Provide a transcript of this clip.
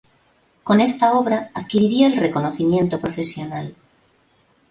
Con esta obra adquiriría el reconocimiento profesional.